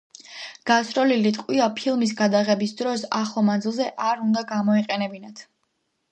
გასროლილი ტყვია ფილმის გადაღების დროს ახლო მანძილზე არ უნდა გამოეყენებინათ.